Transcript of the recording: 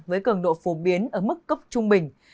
với cường độ phổ biến ở mức cấp trung bình